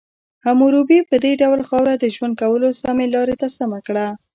حموربي په دې ډول خاوره د ژوند کولو سمې لارې ته سمه کړه.